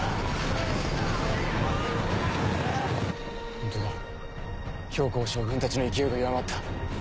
ホントだ公将軍たちの勢いが弱まった。